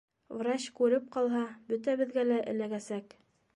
Врач күреп ҡалһа, бөтәбеҙгә лә эләгәсәк.